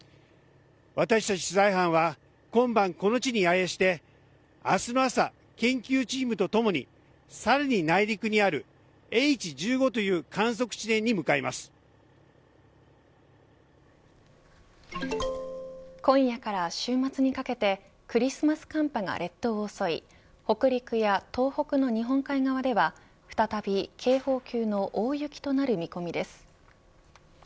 私たち取材班は今晩この地に野営して明日の朝、研究チームとともにさらに内陸にあるＨ１５という今夜から週末にかけてクリスマス寒波が列島を襲い北陸や東北の日本海側では再び警報級の大雪となる見込みです。